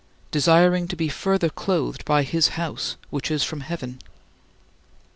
" "desiring to be further clothed by his house which is from heaven."